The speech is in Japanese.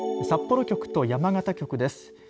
札幌局と山形局です。